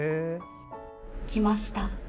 来ました！